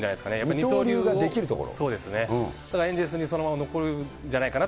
二刀流ができるところ？